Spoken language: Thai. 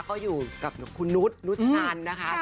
ก็อยู่กับคุณนุษย์นุชนันนะคะ